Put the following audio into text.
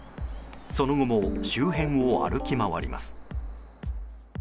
その後も周辺を歩き回ります。